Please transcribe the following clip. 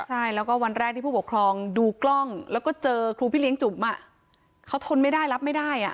ใช่แล้วก็วันแรกที่ผู้ปกครองดูกล้องแล้วก็เจอครูพี่เลี้ยงจุ๋มเขาทนไม่ได้รับไม่ได้อ่ะ